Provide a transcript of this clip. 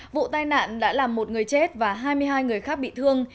vụ tai nạn đã làm một người chết và hai mươi hai người khác bị thương